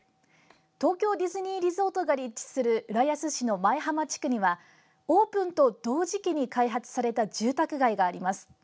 東京ディズニーリゾートが立地する浦安市の舞浜地区にはオープンと同時期に開発された住宅街があります。